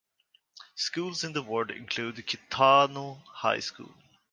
Schools in the ward include Kitano High School.